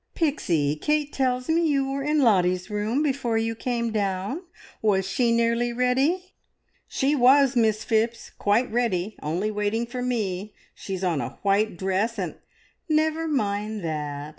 "Pixie, Kate tells me you were in Lottie's room before you came down. Was she nearly ready?" "She was, Miss Phipps, quite ready! Only waiting for me. She's on a white dress, and " "Never mind that.